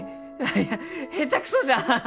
いや下手くそじゃ！